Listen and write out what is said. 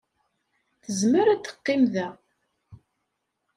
Tezmer ad teqqim da.